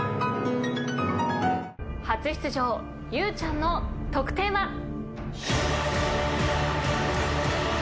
初出場ゆうちゃんの得点は？